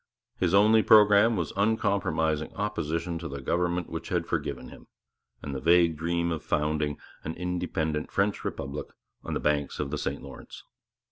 His only programme was uncompromising opposition to the government which had forgiven him, and the vague dream of founding an independent French republic on the banks of the St Lawrence.